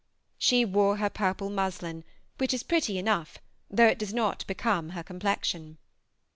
She wore her purple muslin, which is pretty enough, though it does not become her complexion.